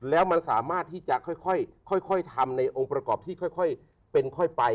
แล้วมันสามารถที่จะค่อยทำในองค์ประกอบที่ค่อยเป็นค่อยไป